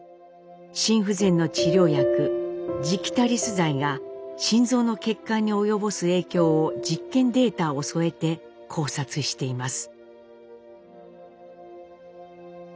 心不全の治療薬ジギタリス剤が心臓の血管に及ぼす影響を実験データを添えて考察しています。